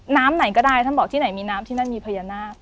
ไหนก็ได้ท่านบอกที่ไหนมีน้ำที่นั่นมีพญานาค